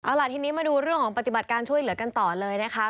เอาล่ะทีนี้มาดูเรื่องของปฏิบัติการช่วยเหลือกันต่อเลยนะคะ